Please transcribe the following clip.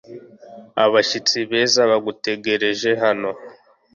Abashyitsi beza bagutegereje hano